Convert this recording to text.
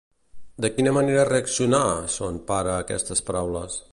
De quina manera reaccionà son pare a aquestes paraules?